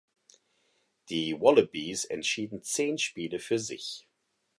Die Wallabies entschieden zehn Spiele für sich.